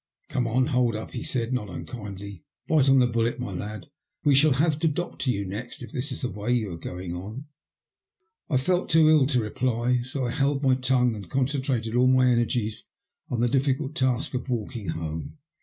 *' Come, hold up," he said, not unkindly. " Bite on the bullet, my lad. We shall have to doctor you next if this is the way you are going on." I felt too ill to reply, so I held my tongue and con centrated all my energies on the difficult task of walking home.